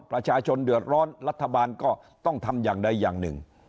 ประชาชนเดือดร้อนรัฐบาลก็ต้องทำอย่างใดอย่างหนึ่ง